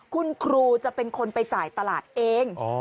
คุณครูจะเป็นคนไปจ่ายตลาดเอง